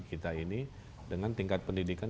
kita ini dengan tingkat pendidikan